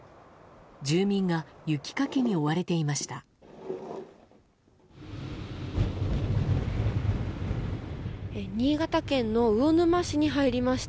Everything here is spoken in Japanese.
住民が雪かきに追われていました。